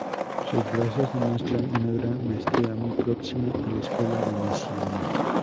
Sus brazos demuestran una gran maestría muy próxima a la Escuela veneciana.